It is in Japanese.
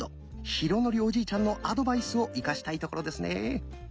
浩徳おじいちゃんのアドバイスを生かしたいところですね。